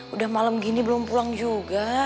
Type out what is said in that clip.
udah malam gini belum pulang juga